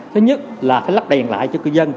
thứ nhất là phải lắp đèn lại cho cư dân